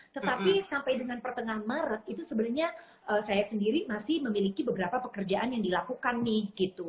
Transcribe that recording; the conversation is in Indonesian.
tetapi sampai dengan pertengahan maret itu sebenarnya saya sendiri masih memiliki beberapa pekerjaan yang dilakukan nih gitu